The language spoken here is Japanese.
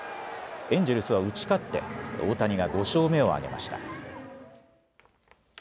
エンジェルスは打ち勝って大谷が５勝目を挙げました。